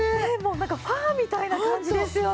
なんかもうファーみたいな感じですよね。